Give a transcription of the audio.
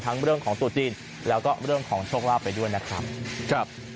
ทั้งเรื่องของตูตีนและก็เรื่องของช่วงลาภไปด้วยนะครับ